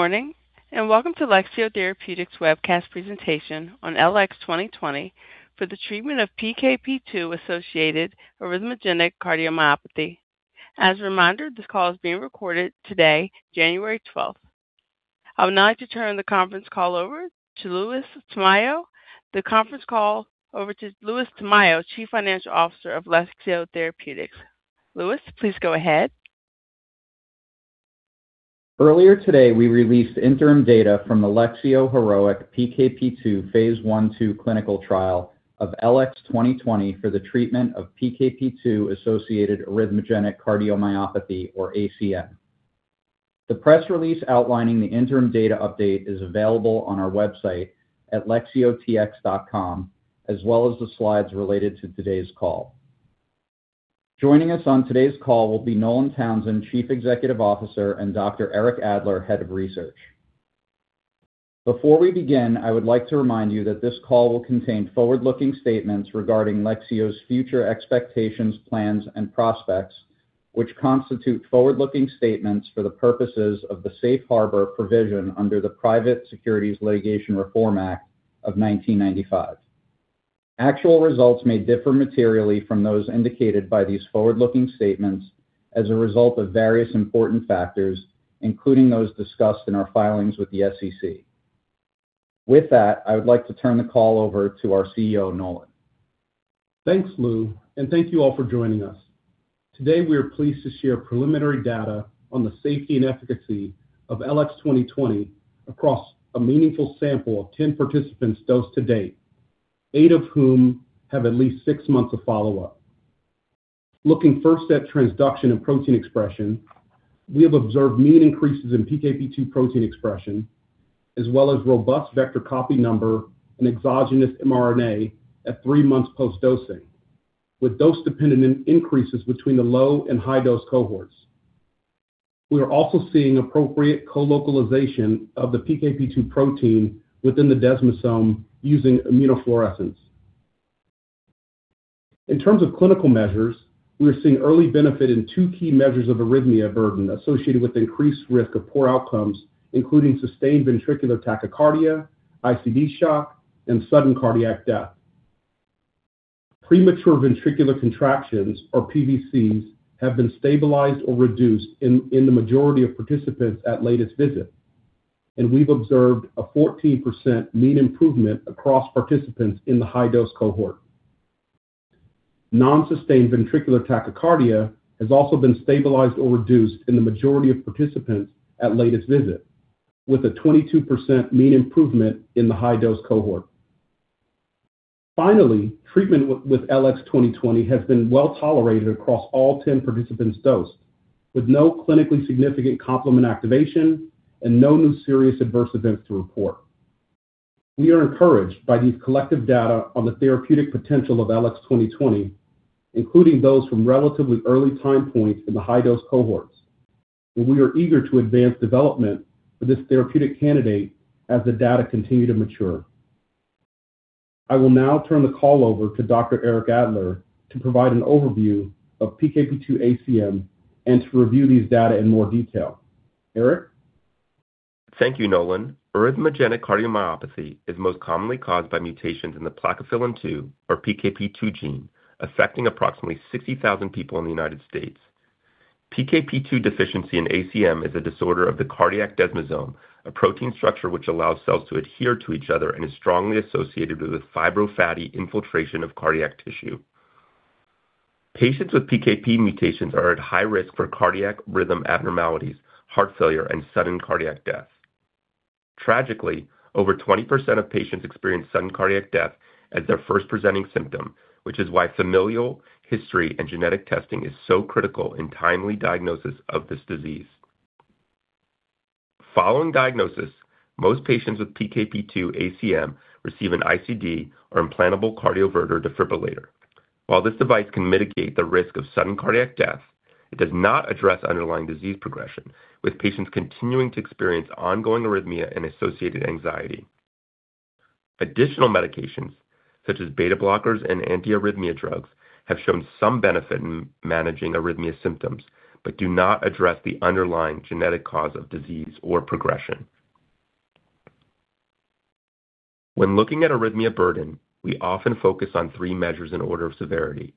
Good morning and welcome to Lexeo Therapeutics' webcast presentation on LX2020 for the treatment of PKP2-associated arrhythmogenic cardiomyopathy. As a reminder, this call is being recorded today, January 12th. I would now like to turn the conference call over to Louis Tamayo, Chief Financial Officer of Lexeo Therapeutics. Louis, please go ahead. Earlier today, we released interim data from the Lexeo HEROIC PKP2 phase I-II clinical trial of LX2020 for the treatment of PKP2-associated arrhythmogenic cardiomyopathy, or ACM. The press release outlining the interim data update is available on our website at lexeotx.com, as well as the slides related to today's call. Joining us on today's call will be Nolan Townsend, Chief Executive Officer, and Dr. Eric Adler, Head of Research. Before we begin, I would like to remind you that this call will contain forward-looking statements regarding Lexeo's future expectations, plans, and prospects, which constitute forward-looking statements for the purposes of the Safe Harbor Provision under the Private Securities Litigation Reform Act of 1995. Actual results may differ materially from those indicated by these forward-looking statements as a result of various important factors, including those discussed in our filings with the SEC. With that, I would like to turn the call over to our CEO, Nolan. Thanks, Lou, and thank you all for joining us. Today, we are pleased to share preliminary data on the safety and efficacy of LX2020 across a meaningful sample of 10 participants dosed to date, eight of whom have at least six months of follow-up. Looking first at transduction and protein expression, we have observed mean increases in PKP2 protein expression, as well as robust vector copy number and exogenous mRNA at three months post-dosing, with dose-dependent increases between the low and high-dose cohorts. We are also seeing appropriate co-localization of the PKP2 protein within the desmosome using immunofluorescence. In terms of clinical measures, we are seeing early benefit in two key measures of arrhythmia burden associated with increased risk of poor outcomes, including sustained ventricular tachycardia, ICD shock, and sudden cardiac death. Premature ventricular contractions, or PVCs, have been stabilized or reduced in the majority of participants at latest visit, and we've observed a 14% mean improvement across participants in the high-dose cohort. Non-sustained ventricular tachycardia has also been stabilized or reduced in the majority of participants at latest visit, with a 22% mean improvement in the high-dose cohort. Finally, treatment with LX2020 has been well tolerated across all 10 participants dosed, with no clinically significant complement activation and no new serious adverse events to report. We are encouraged by these collective data on the therapeutic potential of LX2020, including those from relatively early time points in the high-dose cohorts, and we are eager to advance development for this therapeutic candidate as the data continue to mature. I will now turn the call over to Dr. Eric Adler to provide an overview of PKP2 ACM and to review these data in more detail. Eric? Thank you, Nolan. Arrhythmogenic cardiomyopathy is most commonly caused by mutations in the Plakophilin-2, or PKP2 gene, affecting approximately 60,000 people in the United States. PKP2 deficiency in ACM is a disorder of the cardiac desmosome, a protein structure which allows cells to adhere to each other and is strongly associated with fibrofatty infiltration of cardiac tissue. Patients with PKP mutations are at high risk for cardiac rhythm abnormalities, heart failure, and sudden cardiac death. Tragically, over 20% of patients experience sudden cardiac death as their first presenting symptom, which is why familial history and genetic testing is so critical in timely diagnosis of this disease. Following diagnosis, most patients with PKP2 ACM receive an ICD, or implantable cardioverter defibrillator. While this device can mitigate the risk of sudden cardiac death, it does not address underlying disease progression, with patients continuing to experience ongoing arrhythmia and associated anxiety. Additional medications, such as beta-blockers and antiarrhythmic drugs, have shown some benefit in managing arrhythmia symptoms but do not address the underlying genetic cause of disease or progression. When looking at arrhythmia burden, we often focus on three measures in order of severity.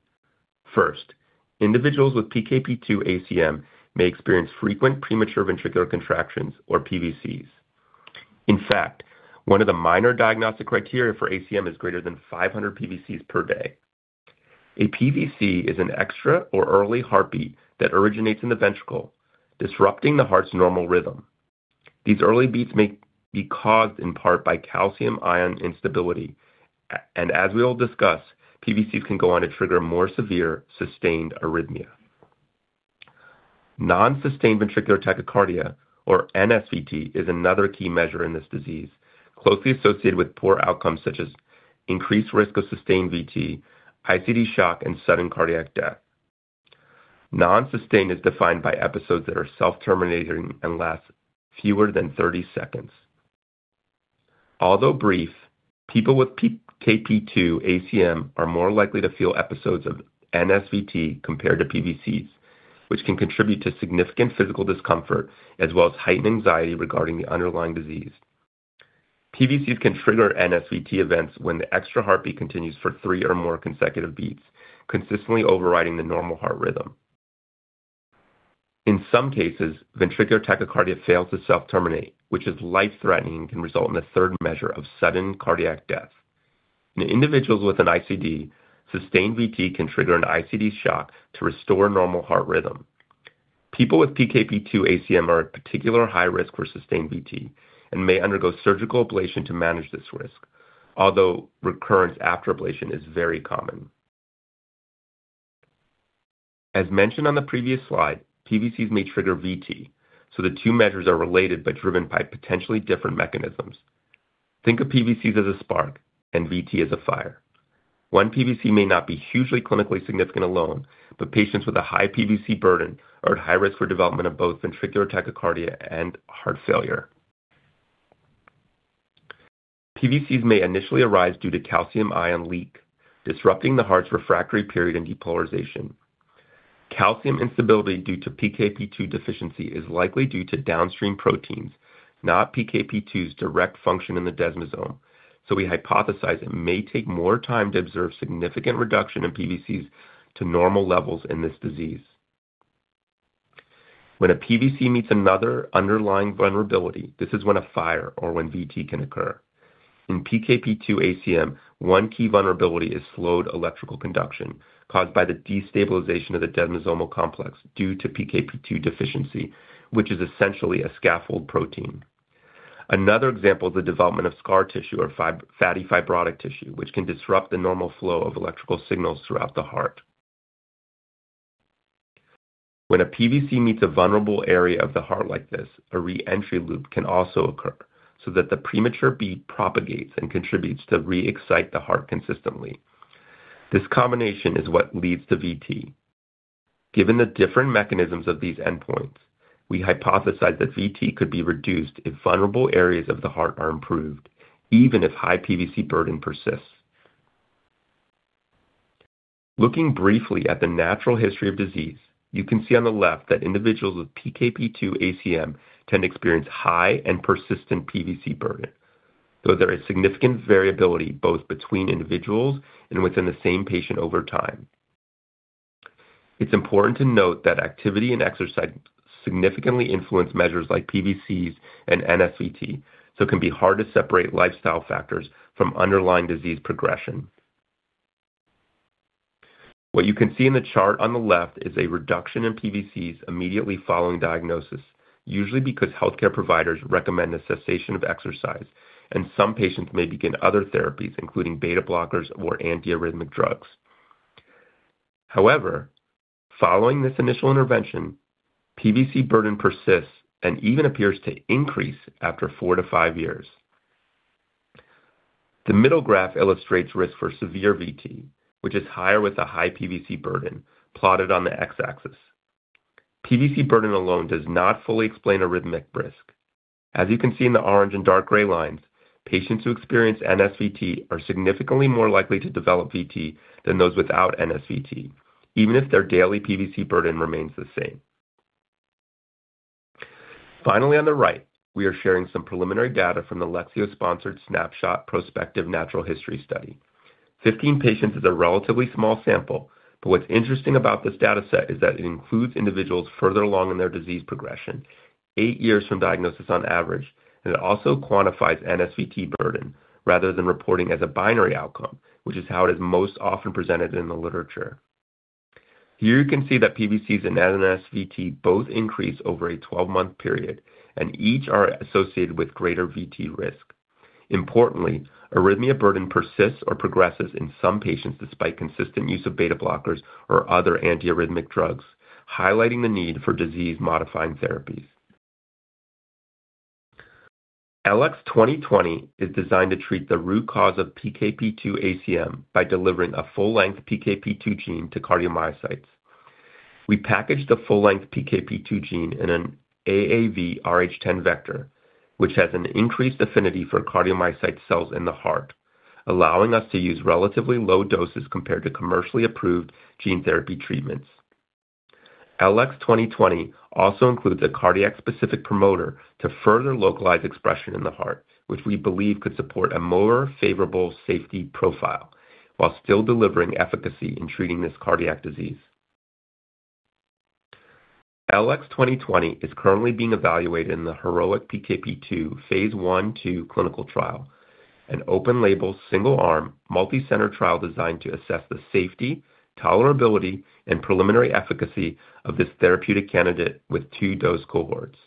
First, individuals with PKP2 ACM may experience frequent premature ventricular contractions, or PVCs. In fact, one of the minor diagnostic criteria for ACM is greater than 500 PVCs per day. A PVC is an extra or early heartbeat that originates in the ventricle, disrupting the heart's normal rhythm. These early beats may be caused in part by calcium ion instability, and as we will discuss, PVCs can go on to trigger more severe sustained arrhythmia. Non-sustained ventricular tachycardia, or NSVT, is another key measure in this disease, closely associated with poor outcomes such as increased risk of sustained VT, ICD shock, and sudden cardiac death. Non-sustained is defined by episodes that are self-terminating and last fewer than 30 seconds. Although brief, people with PKP2 ACM are more likely to feel episodes of NSVT compared to PVCs, which can contribute to significant physical discomfort as well as heightened anxiety regarding the underlying disease. PVCs can trigger NSVT events when the extra heartbeat continues for three or more consecutive beats, consistently overriding the normal heart rhythm. In some cases, ventricular tachycardia fails to self-terminate, which is life-threatening and can result in a third measure of sudden cardiac death. In individuals with an ICD, sustained VT can trigger an ICD shock to restore normal heart rhythm. People with PKP2 ACM are at particular high risk for sustained VT and may undergo surgical ablation to manage this risk, although recurrence after ablation is very common. As mentioned on the previous slide, PVCs may trigger VT, so the two measures are related but driven by potentially different mechanisms. Think of PVCs as a spark and VT as a fire. One PVC may not be hugely clinically significant alone, but patients with a high PVC burden are at high risk for development of both ventricular tachycardia and heart failure. PVCs may initially arise due to calcium ion leak, disrupting the heart's refractory period and depolarization. Calcium instability due to PKP2 deficiency is likely due to downstream proteins, not PKP2's direct function in the desmosome, so we hypothesize it may take more time to observe significant reduction in PVCs to normal levels in this disease. When a PVC meets another underlying vulnerability, this is when a fire or when VT can occur. In PKP2 ACM, one key vulnerability is slowed electrical conduction caused by the destabilization of the desmosomal complex due to PKP2 deficiency, which is essentially a scaffold protein. Another example is the development of scar tissue or fatty fibrotic tissue, which can disrupt the normal flow of electrical signals throughout the heart. When a PVC meets a vulnerable area of the heart like this, a re-entry loop can also occur so that the premature beat propagates and contributes to re-excite the heart consistently. This combination is what leads to VT. Given the different mechanisms of these endpoints, we hypothesize that VT could be reduced if vulnerable areas of the heart are improved, even if high PVC burden persists. Looking briefly at the natural history of disease, you can see on the left that individuals with PKP2 ACM tend to experience high and persistent PVC burden, though there is significant variability both between individuals and within the same patient over time. It's important to note that activity and exercise significantly influence measures like PVCs and NSVT, so it can be hard to separate lifestyle factors from underlying disease progression. What you can see in the chart on the left is a reduction in PVCs immediately following diagnosis, usually because healthcare providers recommend a cessation of exercise, and some patients may begin other therapies, including beta-blockers or antiarrhythmic drugs. However, following this initial intervention, PVC burden persists and even appears to increase after four to five years. The middle graph illustrates risk for severe VT, which is higher with a high PVC burden, plotted on the x-axis. PVC burden alone does not fully explain arrhythmic risk. As you can see in the orange and dark gray lines, patients who experience NSVT are significantly more likely to develop VT than those without NSVT, even if their daily PVC burden remains the same. Finally, on the right, we are sharing some preliminary data from the Lexeo-sponsored snapshot prospective natural history study. 15 patients is a relatively small sample, but what's interesting about this dataset is that it includes individuals further along in their disease progression, eight years from diagnosis on average, and it also quantifies NSVT burden rather than reporting as a binary outcome, which is how it is most often presented in the literature. Here you can see that PVCs and NSVT both increase over a 12-month period, and each are associated with greater VT risk. Importantly, arrhythmia burden persists or progresses in some patients despite consistent use of beta-blockers or other antiarrhythmic drugs, highlighting the need for disease-modifying therapies. LX2020 is designed to treat the root cause of PKP2 ACM by delivering a full-length PKP2 gene to cardiomyocytes. We packaged the full-length PKP2 gene in an AAVrh10 vector, which has an increased affinity for cardiomyocyte cells in the heart, allowing us to use relatively low doses compared to commercially approved gene therapy treatments. LX2020 also includes a cardiac-specific promoter to further localize expression in the heart, which we believe could support a more favorable safety profile while still delivering efficacy in treating this cardiac disease. LX2020 is currently being evaluated in the HEROIC PKP2 phase I-II clinical trial, an open-label, single-arm, multicenter trial designed to assess the safety, tolerability, and preliminary efficacy of this therapeutic candidate with two-dose cohorts.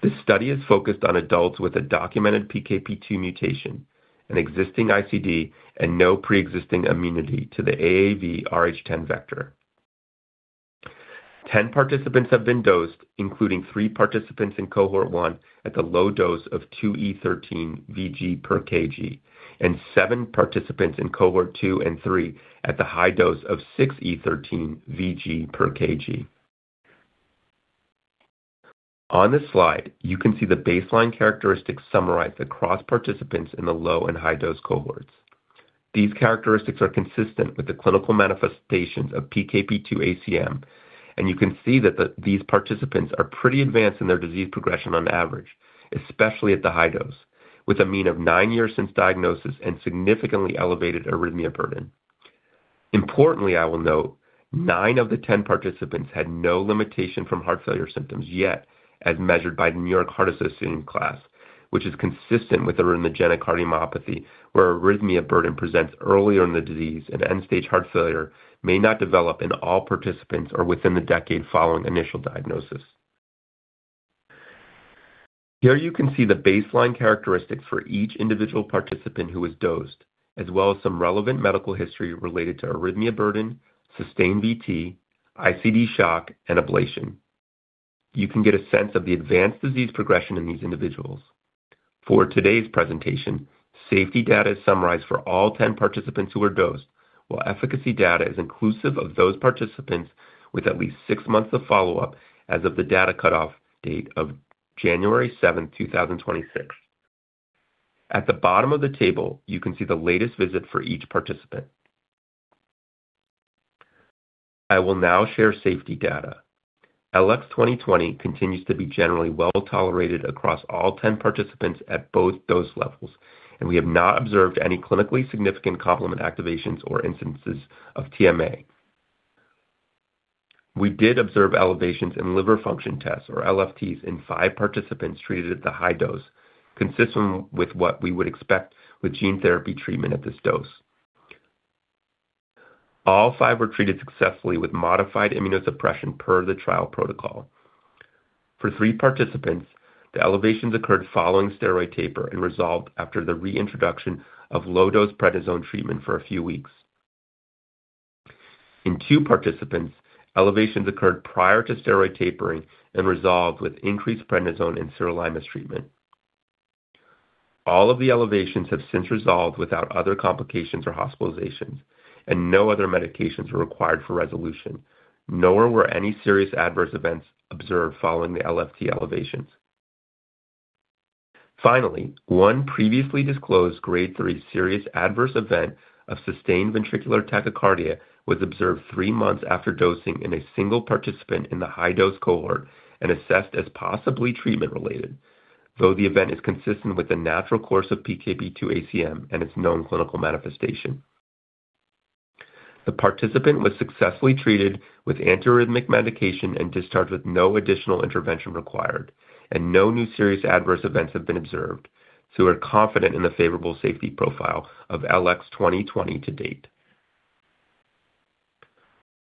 This study is focused on adults with a documented PKP2 mutation, an existing ICD, and no pre-existing immunity to the AAVrh10 vector. 10 participants have been dosed, including three participants in cohort one at the low dose of 2E13 VG per kg, and seven participants in cohort two and three at the high dose of 6E13 VG per kg. On this slide, you can see the baseline characteristics summarized across participants in the low and high-dose cohorts. These characteristics are consistent with the clinical manifestations of PKP2 ACM, and you can see that these participants are pretty advanced in their disease progression on average, especially at the high dose, with a mean of nine years since diagnosis and significantly elevated arrhythmia burden. Importantly, I will note, nine of the 10 participants had no limitation from heart failure symptoms yet, as measured by the New York Heart Association Class, which is consistent with arrhythmogenic cardiomyopathy, where arrhythmia burden presents earlier in the disease, and end-stage heart failure may not develop in all participants or within the decade following initial diagnosis. Here you can see the baseline characteristics for each individual participant who was dosed, as well as some relevant medical history related to arrhythmia burden, sustained VT, ICD shock, and ablation. You can get a sense of the advanced disease progression in these individuals. For today's presentation, safety data is summarized for all 10 participants who were dosed, while efficacy data is inclusive of those participants with at least six months of follow-up as of the data cutoff date of January 7, 2026. At the bottom of the table, you can see the latest visit for each participant. I will now share safety data. LX2020 continues to be generally well tolerated across all 10 participants at both dose levels, and we have not observed any clinically significant complement activations or incidences of TMA. We did observe elevations in liver function tests, or LFTs, in 5 participants treated at the high dose, consistent with what we would expect with gene therapy treatment at this dose. All five were treated successfully with modified immunosuppression per the trial protocol. For 3 participants, the elevations occurred following steroid taper and resolved after the reintroduction of low-dose prednisone treatment for a few weeks. In 2 participants, elevations occurred prior to steroid tapering and resolved with increased prednisone and sirolimus treatment. All of the elevations have since resolved without other complications or hospitalizations, and no other medications were required for resolution, nor were any serious adverse events observed following the LFT elevations. Finally, one previously disclosed grade 3 serious adverse event of sustained ventricular tachycardia was observed three months after dosing in a single participant in the high-dose cohort and assessed as possibly treatment-related, though the event is consistent with the natural course of PKP2 ACM and its known clinical manifestation. The participant was successfully treated with antiarrhythmic medication and discharged with no additional intervention required, and no new serious adverse events have been observed, so we are confident in the favorable safety profile of LX2020 to date.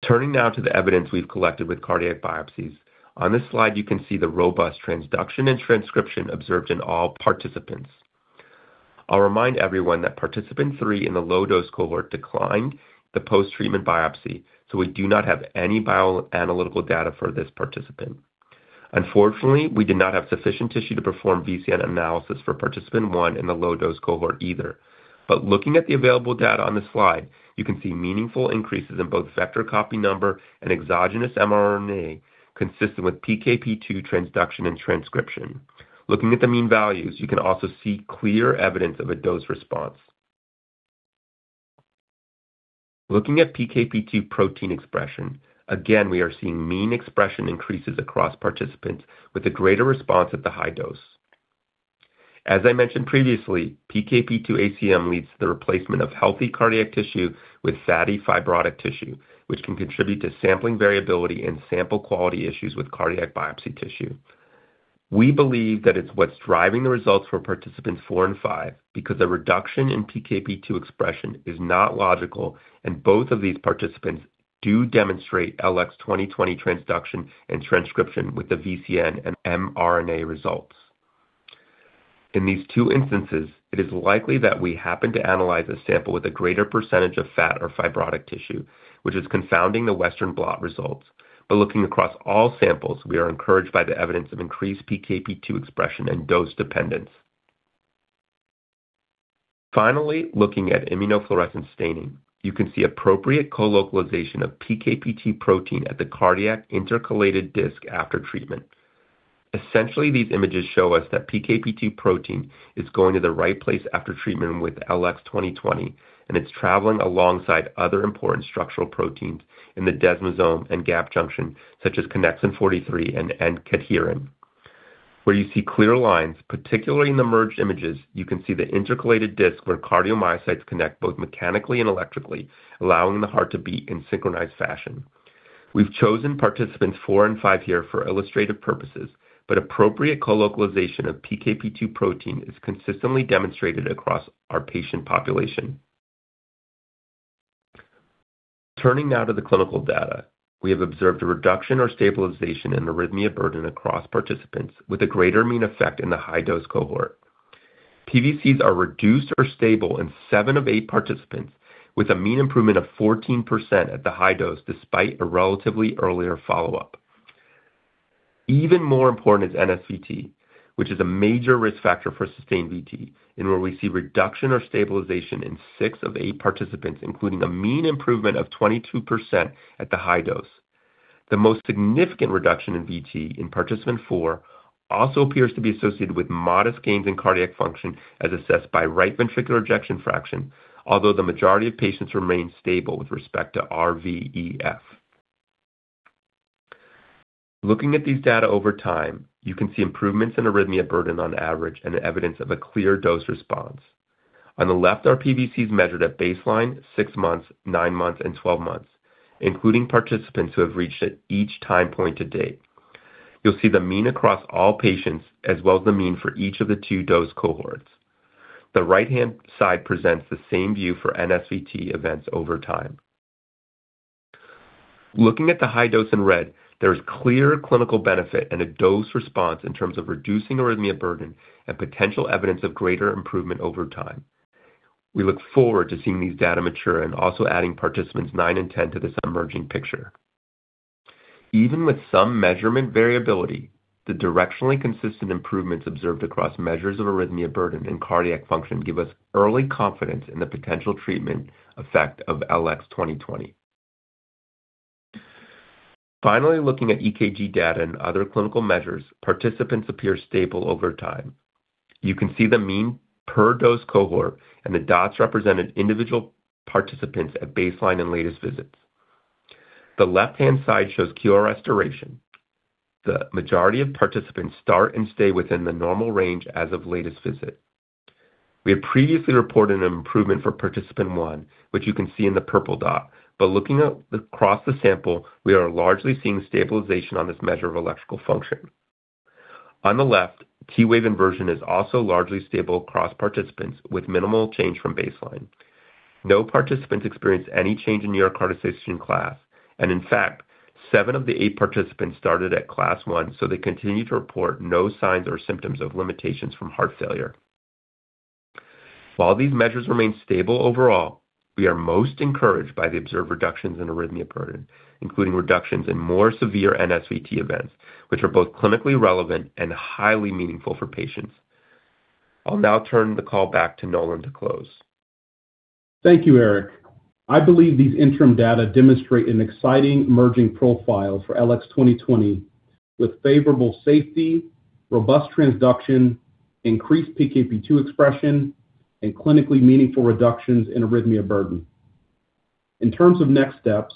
Turning now to the evidence we've collected with cardiac biopsies, on this slide you can see the robust transduction and transcription observed in all participants. I'll remind everyone that participant three in the low-dose cohort declined the post-treatment biopsy, so we do not have any bioanalytical data for this participant. Unfortunately, we did not have sufficient tissue to perform VCN analysis for participant one in the low-dose cohort either, but looking at the available data on the slide, you can see meaningful increases in both vector copy number and exogenous mRNA consistent with PKP2 transduction and transcription. Looking at the mean values, you can also see clear evidence of a dose response. Looking at PKP2 protein expression, again, we are seeing mean expression increases across participants with a greater response at the high dose. As I mentioned previously, PKP2 ACM leads to the replacement of healthy cardiac tissue with fatty fibrotic tissue, which can contribute to sampling variability and sample quality issues with cardiac biopsy tissue. We believe that it's what's driving the results for participants four and five because a reduction in PKP2 expression is not logical, and both of these participants do demonstrate LX2020 transduction and transcription with the VCN and mRNA results. In these two instances, it is likely that we happened to analyze a sample with a greater percentage of fat or fibrotic tissue, which is confounding the Western blot results, but looking across all samples, we are encouraged by the evidence of increased PKP2 expression and dose dependence. Finally, looking at immunofluorescence staining, you can see appropriate co-localization of PKP2 protein at the cardiac intercalated disc after treatment. Essentially, these images show us that PKP2 protein is going to the right place after treatment with LX2020, and it's traveling alongside other important structural proteins in the desmosome and gap junction, such as connexin-43 and N-cadherin. Where you see clear lines, particularly in the merged images, you can see the intercalated disc where cardiomyocytes connect both mechanically and electrically, allowing the heart to beat in synchronized fashion. We've chosen participants four and five here for illustrative purposes, but appropriate co-localization of PKP2 protein is consistently demonstrated across our patient population. Turning now to the clinical data, we have observed a reduction or stabilization in arrhythmia burden across participants, with a greater mean effect in the high-dose cohort. PVCs are reduced or stable in seven of eight participants, with a mean improvement of 14% at the high dose despite a relatively earlier follow-up. Even more important is NSVT, which is a major risk factor for sustained VT, and where we see reduction or stabilization in six of eight participants, including a mean improvement of 22% at the high dose. The most significant reduction in VT in participant four also appears to be associated with modest gains in cardiac function, as assessed by right ventricular ejection fraction, although the majority of patients remain stable with respect to RVEF. Looking at these data over time, you can see improvements in arrhythmia burden on average and evidence of a clear dose response. On the left are PVCs measured at baseline, six months, nine months, and 12 months, including participants who have reached at each time point to date. You'll see the mean across all patients, as well as the mean for each of the two-dose cohorts. The right-hand side presents the same view for NSVT events over time. Looking at the high dose in red, there is clear clinical benefit and a dose response in terms of reducing arrhythmia burden and potential evidence of greater improvement over time. We look forward to seeing these data mature and also adding participants nine and ten to this emerging picture. Even with some measurement variability, the directionally consistent improvements observed across measures of arrhythmia burden and cardiac function give us early confidence in the potential treatment effect of LX2020. Finally, looking at EKG data and other clinical measures, participants appear stable over time. You can see the mean per dose cohort, and the dots represented individual participants at baseline and latest visits. The left-hand side shows QRS duration. The majority of participants start and stay within the normal range as of latest visit. We had previously reported an improvement for participant one, which you can see in the purple dot, but looking across the sample, we are largely seeing stabilization on this measure of electrical function. On the left, T-wave inversion is also largely stable across participants, with minimal change from baseline. No participants experienced any change in New York Heart Association Class, and in fact, seven of the eight participants started at class one, so they continue to report no signs or symptoms of limitations from heart failure. While these measures remain stable overall, we are most encouraged by the observed reductions in arrhythmia burden, including reductions in more severe NSVT events, which are both clinically relevant and highly meaningful for patients. I'll now turn the call back to Nolan to close. Thank you, Eric. I believe these interim data demonstrate an exciting emerging profile for LX2020, with favorable safety, robust transduction, increased PKP2 expression, and clinically meaningful reductions in arrhythmia burden. In terms of next steps,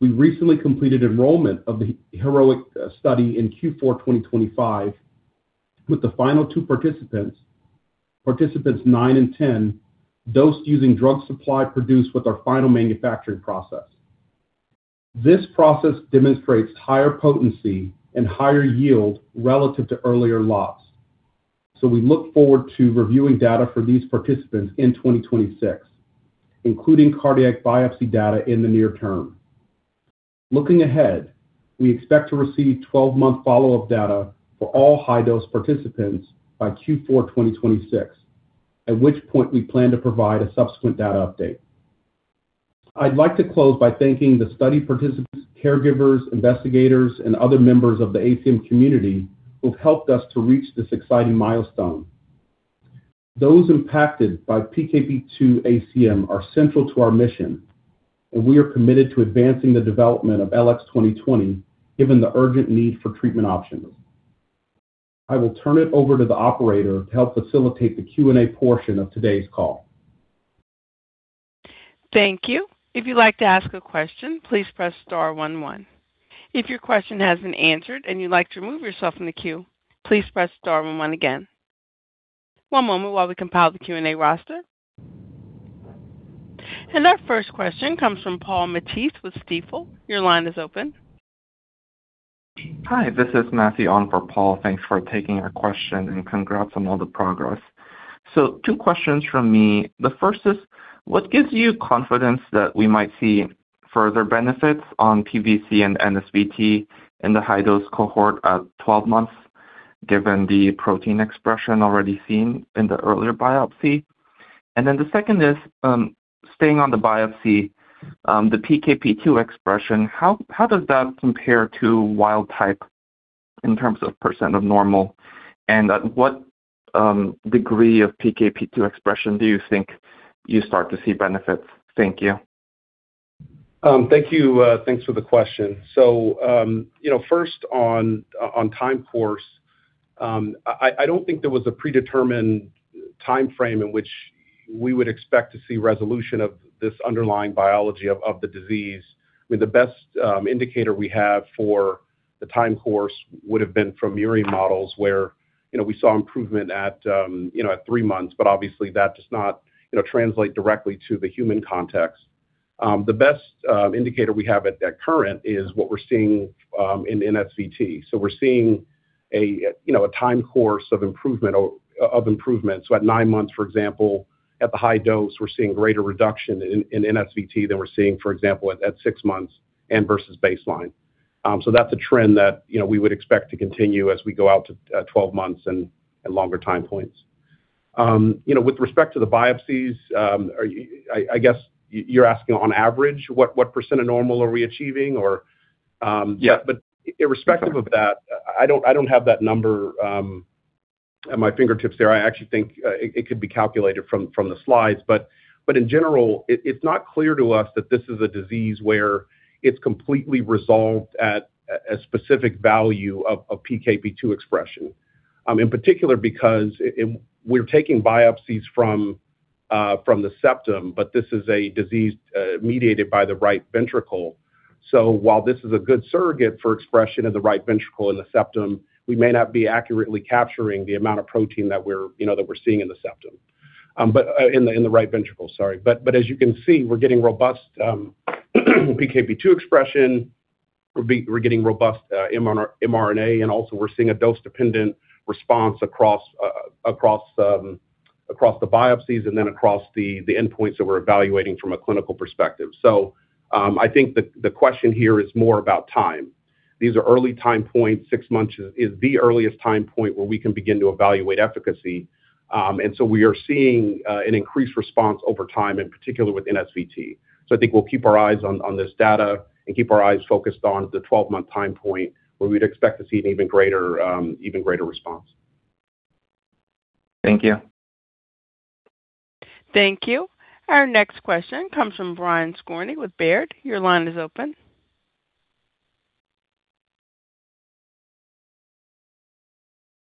we recently completed enrollment of the HEROIC study in Q4 2025, with the final two participants, participants nine and ten, dosed using drug supply produced with our final manufacturing process. This process demonstrates higher potency and higher yield relative to earlier lots, so we look forward to reviewing data for these participants in 2026, including cardiac biopsy data in the near term. Looking ahead, we expect to receive twelve-month follow-up data for all high-dose participants by Q4 2026, at which point we plan to provide a subsequent data update. I'd like to close by thanking the study participants, caregivers, investigators, and other members of the ACM community who have helped us to reach this exciting milestone. Those impacted by PKP2 ACM are central to our mission, and we are committed to advancing the development of LX2020, given the urgent need for treatment options. I will turn it over to the operator to help facilitate the Q&A portion of today's call. Thank you. If you'd like to ask a question, please press star one one. If your question hasn't answered and you'd like to remove yourself from the queue, please press star one one again. One moment while we compile the Q&A roster. And our first question comes from Paul Matteis with Stifel. Your line is open. Hi, this is Matthew on for Paul. Thanks for taking our question and congrats on all the progress. So, two questions from me. The first is, what gives you confidence that we might see further benefits on PVC and NSVT in the high-dose cohort at twelve months, given the protein expression already seen in the earlier biopsy? Then the second is, staying on the biopsy, the PKP2 expression, how does that compare to wild type in terms of percent of normal, and at what degree of PKP2 expression do you think you start to see benefits? Thank you. Thank you. Thanks for the question. First on time course, I don't think there was a predetermined time frame in which we would expect to see resolution of this underlying biology of the disease. I mean, the best indicator we have for the time course would have been from murine models, where we saw improvement at three months, but obviously that does not translate directly to the human context. The best indicator we have currently is what we're seeing in NSVT. We're seeing a time course of improvement. At nine months, for example, at the high dose, we're seeing greater reduction in NSVT than we're seeing, for example, at six months and versus baseline. That's a trend that we would expect to continue as we go out to 12 months and longer time points. With respect to the biopsies, I guess you're asking on average, what percentage of normal are we achieving? Or, yeah, but irrespective of that, I don't have that number at my fingertips there. I actually think it could be calculated from the slides, but in general, it's not clear to us that this is a disease where it's completely resolved at a specific value of PKP2 expression. In particular, because we're taking biopsies from the septum, but this is a disease mediated by the right ventricle. While this is a good surrogate for expression in the right ventricle and the septum, we may not be accurately capturing the amount of protein that we're seeing in the septum, but in the right ventricle, sorry. As you can see, we're getting robust PKP2 expression, we're getting robust mRNA, and also we're seeing a dose-dependent response across the biopsies and then across the endpoints that we're evaluating from a clinical perspective. I think the question here is more about time. These are early time points. Six months is the earliest time point where we can begin to evaluate efficacy, and so we are seeing an increased response over time, in particular with NSVT. I think we'll keep our eyes on this data and keep our eyes focused on the twelve-month time point where we'd expect to see an even greater response. Thank you. Thank you. Our next question comes from Brian Skorney with Baird. Your line is open.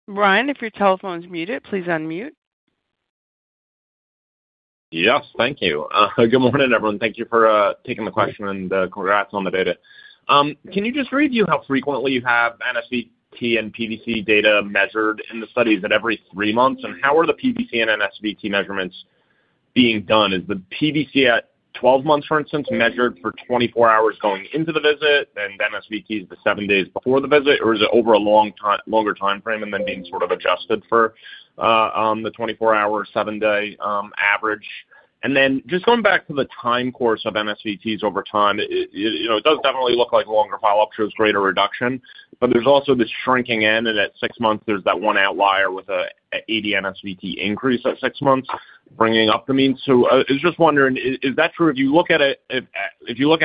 Brian, if your telephone's muted, please unmute. Yes, thank you. Good morning, everyone. Thank you for taking the question and congrats on the data. Can you just review how frequently you have NSVT and PVC data measured in the studies at every three months, and how are the PVC and NSVT measurements being done? Is the PVC at 12 months, for instance, measured for 24 hours going into the visit, and NSVT is the seven days before the visit, or is it over a longer time frame and then being sort of adjusted for the 24-hour, seven-day average? And then just going back to the time course of NSVTs over time, it does definitely look like longer follow-up shows greater reduction, but there's also this shrinking in, and at six months, there's that one outlier with an 80 NSVT increase at six months bringing up the means. So, I was just wondering, is that true? If you look at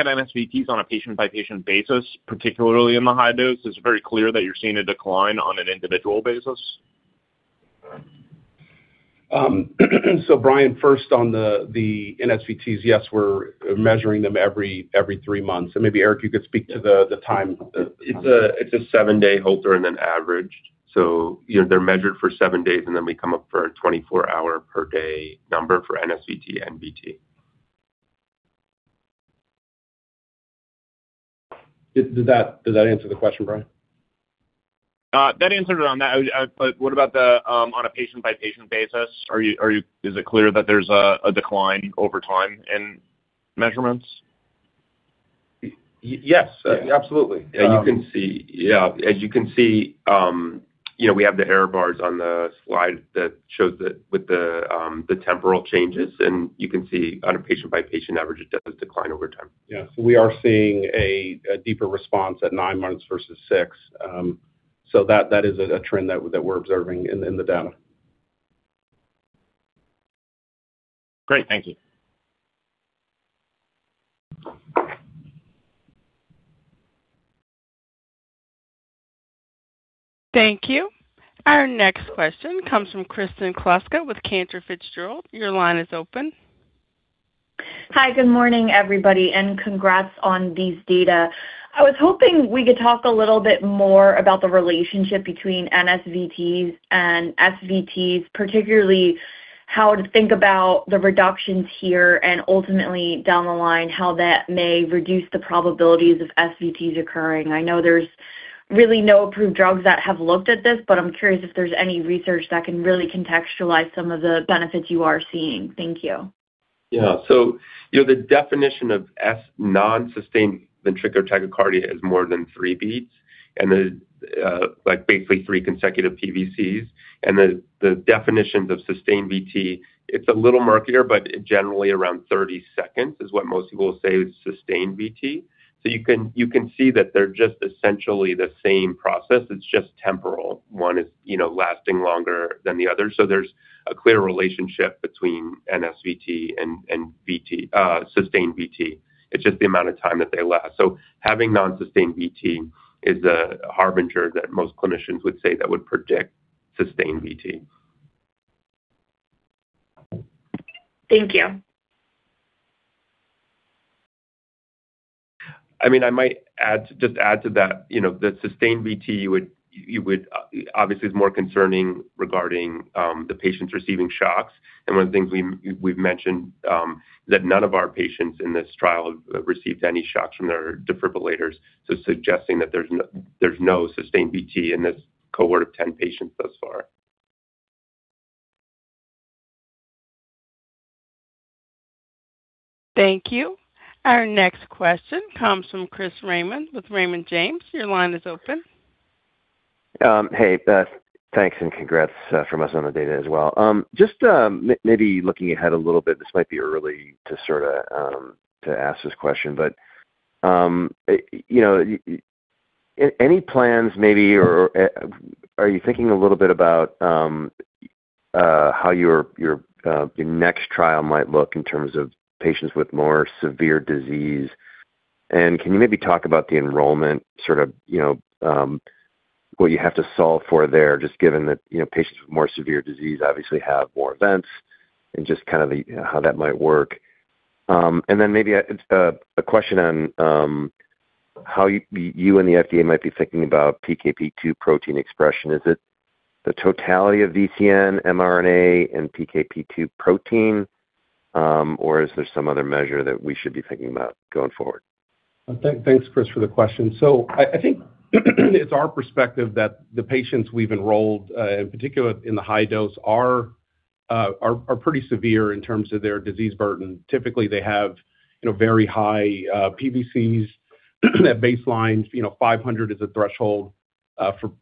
NSVTs on a patient-by-patient basis, particularly in the high dose, is it very clear that you're seeing a decline on an individual basis? So, Brian, first on the NSVTs, yes, we're measuring them every three months. And maybe, Eric, you could speak to the time. It's a seven-day Holter and an average. So, they're measured for seven days, and then we come up for a 24-hour per day number for NSVT and VT. Does that answer the question, Brian? That answered it on that. What about on a patient-by-patient basis? Is it clear that there's a decline over time in measurements? Yes, absolutely. Yeah, you can see, yeah, as you can see, we have the error bars on the slide that shows that with the temporal changes, and you can see on a patient-by-patient average, it does decline over time. Yeah, so we are seeing a deeper response at nine months versus six. So, that is a trend that we're observing in the data. Great, thank you. Thank you. Our next question comes from Kristen Kluska with Cantor Fitzgerald. Your line is open. Hi, good morning, everybody, and congrats on these data. I was hoping we could talk a little bit more about the relationship between NSVTs and SVTs, particularly how to think about the reductions here and ultimately down the line how that may reduce the probabilities of SVTs occurring. I know there's really no approved drugs that have looked at this, but I'm curious if there's any research that can really contextualize some of the benefits you are seeing. Thank you. Yeah, so the definition of non-sustained ventricular tachycardia is more than three beats, and basically three consecutive PVCs. And the definitions of sustained VT, it's a little murkier, but generally around thirty seconds is what most people will say is sustained VT. So, you can see that they're just essentially the same process. It's just temporal. One is lasting longer than the other. So, there's a clear relationship between NSVT and sustained VT. It's just the amount of time that they last. So, having non-sustained VT is a harbinger that most clinicians would say that would predict sustained VT. Thank you. I mean, I might just add to that, the sustained VT obviously is more concerning regarding the patients receiving shocks. And one of the things we've mentioned is that none of our patients in this trial have received any shocks from their defibrillators, so suggesting that there's no sustained VT in this cohort of 10 patients thus far. Thank you. Our next question comes from Chris Raymond with Raymond James. Your line is open. Hey, thanks and congrats from us on the data as well. Just maybe looking ahead a little bit, this might be early to sort of ask this question, but any plans maybe, or are you thinking a little bit about how your next trial might look in terms of patients with more severe disease? And can you maybe talk about the enrollment, sort of what you have to solve for there, just given that patients with more severe disease obviously have more events and just kind of how that might work? And then maybe a question on how you and the FDA might be thinking about PKP2 protein expression. Is it the totality of VCN, mRNA, and PKP2 protein, or is there some other measure that we should be thinking about going forward? Thanks, Chris, for the question. So, I think it's our perspective that the patients we've enrolled, in particular in the high dose, are pretty severe in terms of their disease burden. Typically, they have very high PVCs at baseline. 500 is a threshold for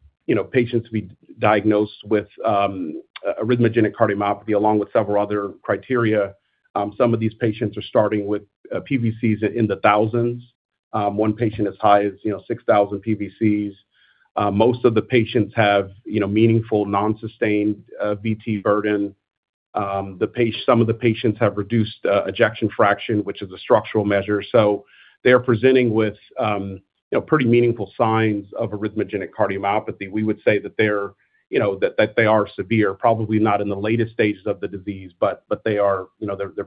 patients to be diagnosed with arrhythmogenic cardiomyopathy along with several other criteria. Some of these patients are starting with PVCs in the thousands. One patient as high as 6,000 PVCs. Most of the patients have meaningful non-sustained VT burden. Some of the patients have reduced ejection fraction, which is a structural measure. So, they are presenting with pretty meaningful signs of arrhythmogenic cardiomyopathy. We would say that they are severe, probably not in the latest stages of the disease, but they are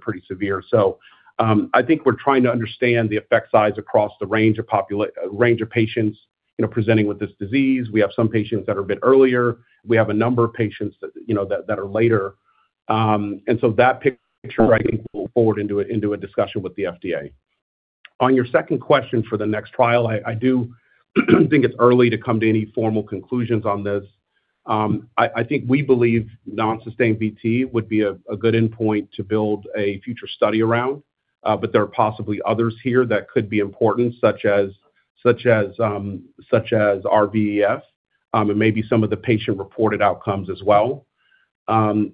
pretty severe. So, I think we're trying to understand the effect size across the range of patients presenting with this disease. We have some patients that are a bit earlier. We have a number of patients that are later. And so that picture, I think, will forward into a discussion with the FDA. On your second question for the next trial, I do think it's early to come to any formal conclusions on this. I think we believe non-sustained VT would be a good endpoint to build a future study around, but there are possibly others here that could be important, such as RVEF and maybe some of the patient-reported outcomes as well.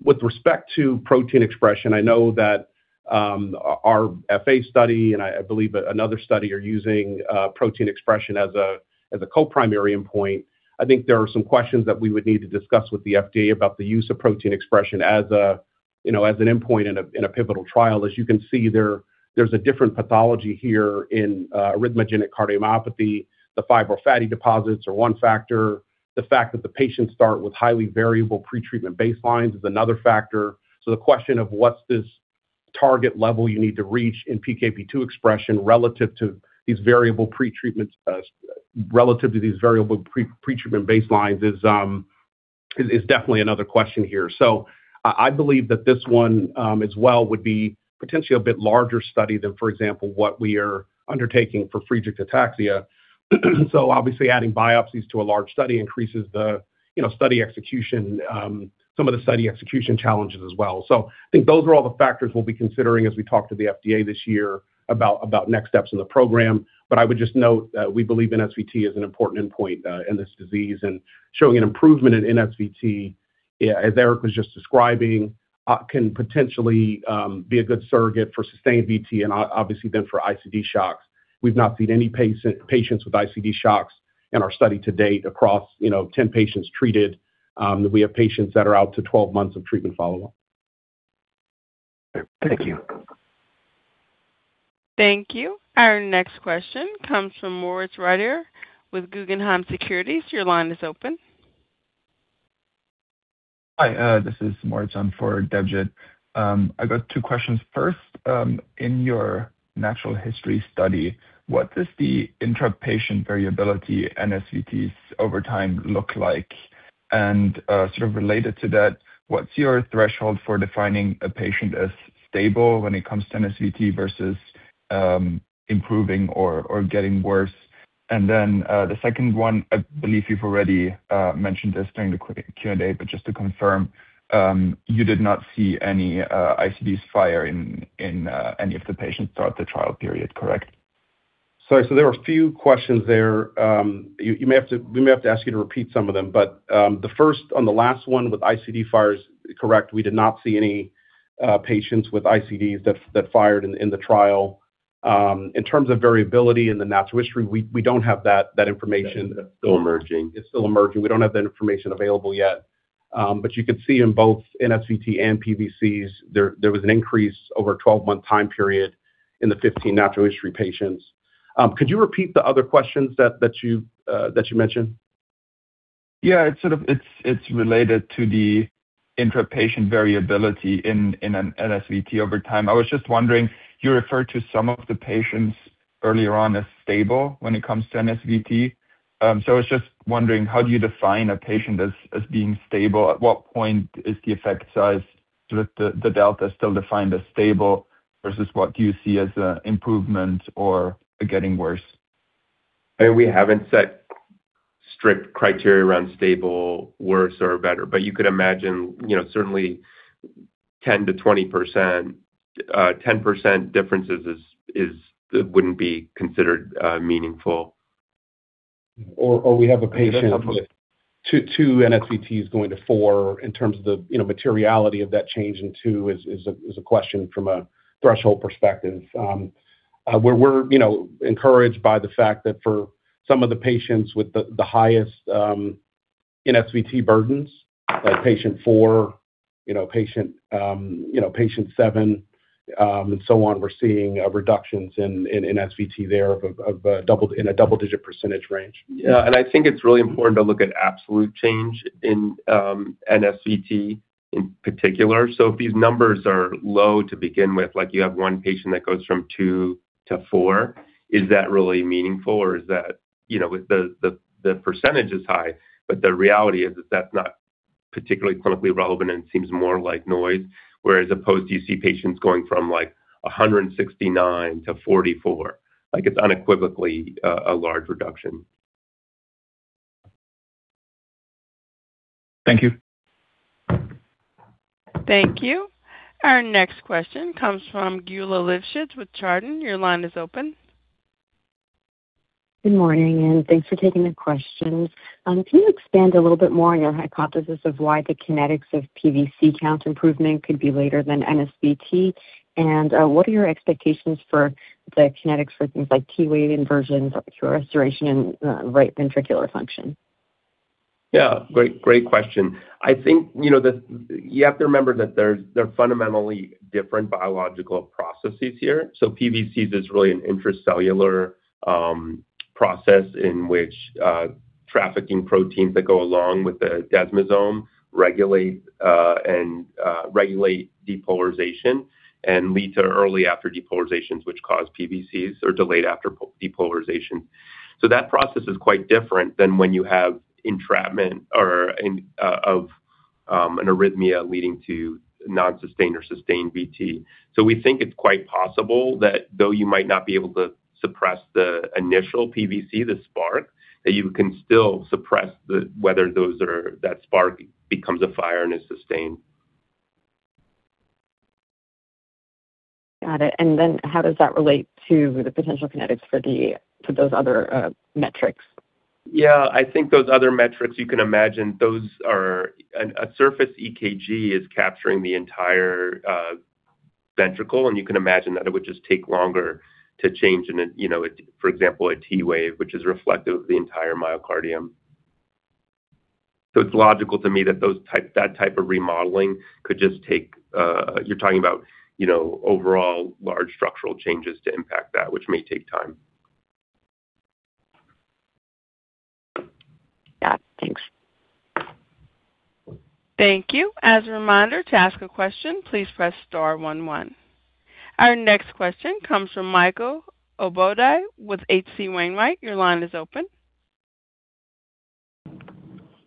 With respect to protein expression, I know that our FA study and I believe another study are using protein expression as a co-primary endpoint. I think there are some questions that we would need to discuss with the FDA about the use of protein expression as an endpoint in a pivotal trial. As you can see, there's a different pathology here in arrhythmogenic cardiomyopathy. The fibrofatty deposits are one factor. The fact that the patients start with highly variable pretreatment baselines is another factor. So, the question of what's this target level you need to reach in PKP2 expression relative to these variable pretreatment baselines is definitely another question here. I believe that this one as well would be potentially a bit larger study than, for example, what we are undertaking for Friedreich ataxia. Obviously, adding biopsies to a large study increases the study execution, some of the study execution challenges as well. I think those are all the factors we'll be considering as we talk to the FDA this year about next steps in the program. But I would just note that we believe NSVT is an important endpoint in this disease, and showing an improvement in NSVT, as Eric was just describing, can potentially be a good surrogate for sustained VT and obviously then for ICD shocks. We've not seen any patients with ICD shocks in our study to date across 10 patients treated. We have patients that are out to 12 months of treatment follow-up. Thank you. Thank you. Our next question comes from Moritz Reiterer with Guggenheim Securities. Your line is open. Hi, this is Moritz. I'm for Debjit. I got two questions. First, in your natural history study, what does the intrapatient variability NSVTs over time look like? And sort of related to that, what's your threshold for defining a patient as stable when it comes to NSVT versus improving or getting worse? And then the second one, I believe you've already mentioned this during the Q&A, but just to confirm, you did not see any ICDs fire in any of the patients throughout the trial period, correct? Sorry, so there were a few questions there. We may have to ask you to repeat some of them, but the first on the last one with ICD fires, correct, we did not see any patients with ICDs that fired in the trial. In terms of variability in the natural history, we don't have that information. It's still emerging. We don't have that information available yet. But you could see in both NSVT and PVCs, there was an increase over a twelve-month time period in the fifteen natural history patients. Could you repeat the other questions that you mentioned? Yeah, it's related to the intrapatient variability in NSVT over time. I was just wondering, you referred to some of the patients earlier on as stable when it comes to NSVT. So, I was just wondering, how do you define a patient as being stable? At what point is the effect size, the delta still defined as stable versus what do you see as an improvement or getting worse? We haven't set strict criteria around stable, worse, or better, but you could imagine certainly 10%-20% differences wouldn't be considered meaningful, or we have a patient with two NSVTs going to four in terms of the materiality of that change in two, is a question from a threshold perspective. We're encouraged by the fact that for some of the patients with the highest NSVT burdens, like patient four, patient seven, and so on, we're seeing reductions in NSVT there in a double-digit % range. Yeah, and I think it's really important to look at absolute change in NSVT in particular. So, if these numbers are low to begin with, like you have one patient that goes from two to four, is that really meaningful or is that the percentage is high? But the reality is that's not particularly clinically relevant and seems more like noise, as opposed to you see patients going from like 169 to 44, like it's unequivocally a large reduction. Thank you. Thank you. Our next question comes from Geulah Livshits with Chardan. Your line is open. Good morning and thanks for taking the question. Can you expand a little bit more on your hypothesis of why the kinetics of PVC count improvement could be later than NSVT? And what are your expectations for the kinetics for things like T-wave inversions, QRS duration, and right ventricular function? Yeah, great question. I think you have to remember that they're fundamentally different biological processes here. So, PVCs is really an intracellular process in which trafficking proteins that go along with the desmosome regulate depolarization and lead to early after depolarizations, which cause PVCs or delayed after depolarization. So, that process is quite different than when you have entrapment of an arrhythmia leading to non-sustained or sustained VT. So, we think it's quite possible that though you might not be able to suppress the initial PVC, the spark, that you can still suppress whether that spark becomes a fire and is sustained. Got it. And then how does that relate to the potential kinetics for those other metrics? Yeah, I think those other metrics, you can imagine those are. A surface EKG is capturing the entire ventricle, and you can imagine that it would just take longer to change, for example, a T-wave, which is reflective of the entire myocardium. So, it's logical to me that that type of remodeling could just take. You're talking about overall large structural changes to impact that, which may take time. Got it. Thanks. Thank you. As a reminder, to ask a question, please press star one one. Our next question comes from Michael Okunewitch with H.C. Wainwright. Your line is open.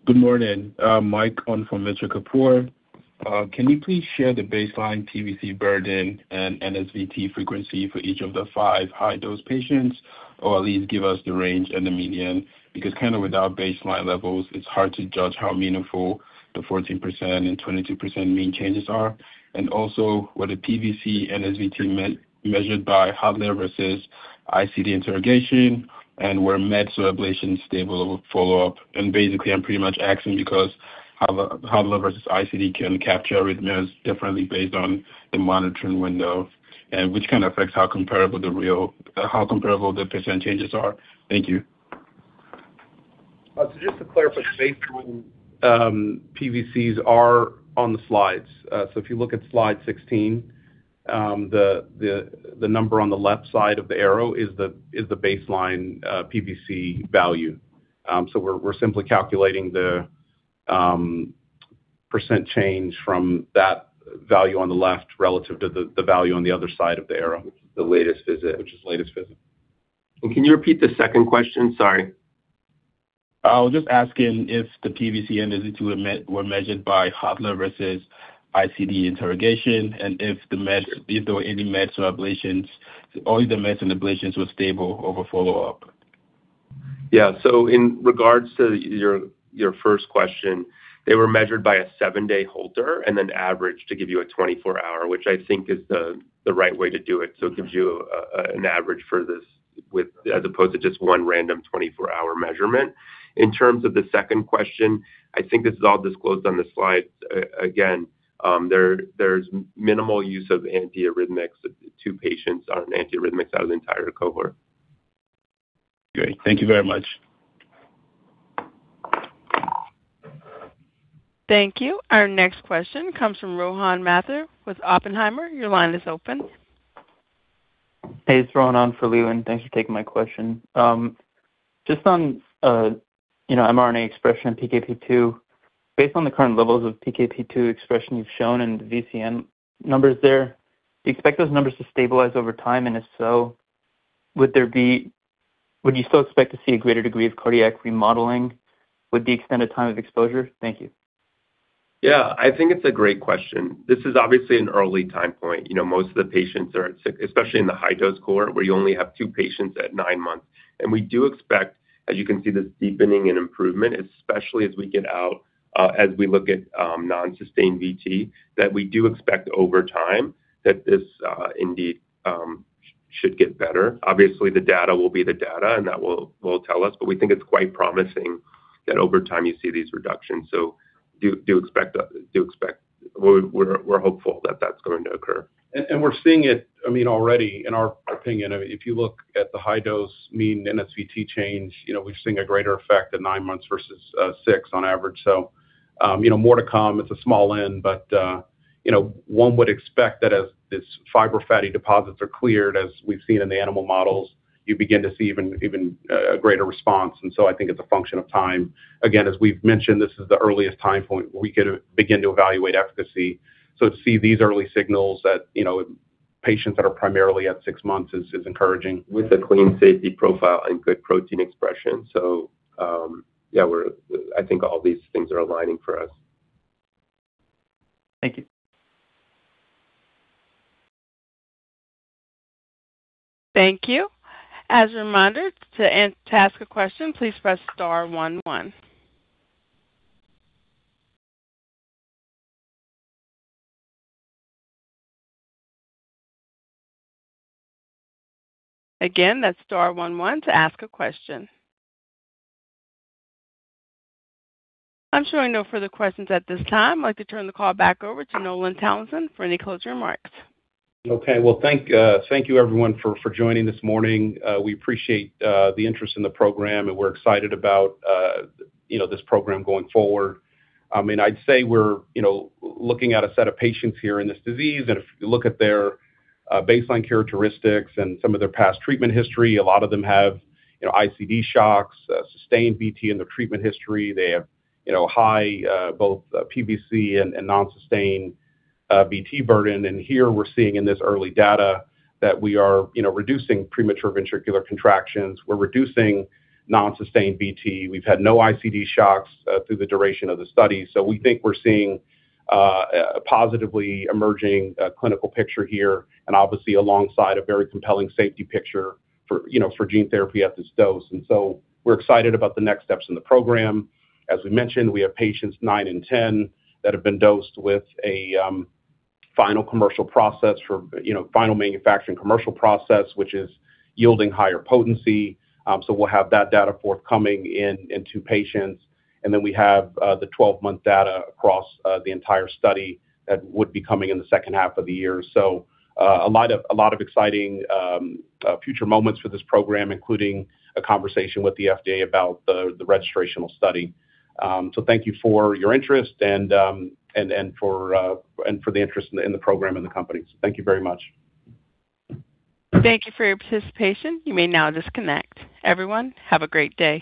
Good morning. Mike Okunewitch from H.C. Wainwright. Can you please share the baseline PVC burden and NSVT frequency for each of the five high-dose patients, or at least give us the range and the median? Because kind of without baseline levels, it's hard to judge how meaningful the 14% and 22% mean changes are. And also, were the PVC NSVT measured by Holter versus ICD interrogation, and were med/ablation stable over follow-up? And basically, I'm pretty much asking because Holter versus ICD can capture arrhythmias differently based on the monitoring window, which kind of affects how comparable the percentage changes are. Thank you. So, just to clarify, baseline PVCs are on the slides. So, if you look at slide 16, the number on the left side of the arrow is the baseline PVC value. So, we're simply calculating the percent change from that value on the left relative to the value on the other side of the arrow, which is the latest visit. Which is the latest visit? Can you repeat the second question? Sorry. I was just asking if the PVC NSVT were measured by Holter versus ICD interrogation, and if there were any meds/ablations, all the meds and ablations were stable over follow-up. Yeah, so in regards to your first question, they were measured by a seven-day Holter and then averaged to give you a 24-hour, which I think is the right way to do it. So, it gives you an average for this as opposed to just one random 24-hour measurement. In terms of the second question, I think this is all disclosed on the slides. Again, there's minimal use of antiarrhythmics to patients on antiarrhythmics out of the entire cohort. Great. Thank you very much. Thank you. Our next question comes from Rohan Mathur with Oppenheimer. Your line is open. Hey, it's Rohan on for Leland. Thanks for taking my question. Just on mRNA expression and PKP2, based on the current levels of PKP2 expression you've shown and the VCN numbers there, do you expect those numbers to stabilize over time? And if so, would you still expect to see a greater degree of cardiac remodeling with the extended time of exposure? Thank you. Yeah, I think it's a great question. This is obviously an early time point. Most of the patients are at six, especially in the high-dose cohort where you only have two patients at nine months. We do expect, as you can see, this deepening and improvement, especially as we get out, as we look at non-sustained VT, that we do expect over time that this indeed should get better. Obviously, the data will be the data and that will tell us, but we think it's quite promising that over time you see these reductions. Do expect. We're hopeful that that's going to occur. We're seeing it, I mean, already, in our opinion. If you look at the high-dose mean NSVT change, we're seeing a greater effect at nine months versus six on average. More to come. It's a small end, but one would expect that as these fibrofatty deposits are cleared, as we've seen in the animal models, you begin to see even a greater response. I think it's a function of time. Again, as we've mentioned, this is the earliest time point where we could begin to evaluate efficacy. So, to see these early signals at patients that are primarily at six months is encouraging. With a clean safety profile and good protein expression. So, yeah, I think all these things are aligning for us. Thank you. Thank you. As a reminder, to ask a question, please press star one one. Again, that's star one one to ask a question. I'm showing no further questions at this time. I'd like to turn the call back over to Nolan Townsend for any closing remarks. Okay, well, thank you everyone for joining this morning. We appreciate the interest in the program and we're excited about this program going forward. I mean, I'd say we're looking at a set of patients here in this disease, and if you look at their baseline characteristics and some of their past treatment history, a lot of them have ICD shocks, sustained VT in their treatment history. They have high both PVC and non-sustained VT burden. And here, we're seeing in this early data that we are reducing premature ventricular contractions. We're reducing non-sustained VT. We've had no ICD shocks through the duration of the study. So, we think we're seeing a positively emerging clinical picture here and obviously alongside a very compelling safety picture for gene therapy at this dose. And so, we're excited about the next steps in the program. As we mentioned, we have patients nine and 10 that have been dosed with a final commercial process for final manufacturing commercial process, which is yielding higher potency. So, we'll have that data forthcoming into patients. And then we have the twelve-month data across the entire study that would be coming in the second half of the year. So, a lot of exciting future moments for this program, including a conversation with the FDA about the registrational study. So, thank you for your interest and for the interest in the program and the company. So, thank you very much. Thank you for your participation. You may now disconnect. Everyone, have a great day.